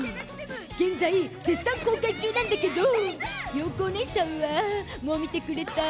現在、絶賛公開中なんだけど容子おねいさんはもう見てくれた？